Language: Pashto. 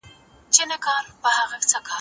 اکبرخان د خپلو خلکو د خونديتوب لپاره هر اقدام وکړ.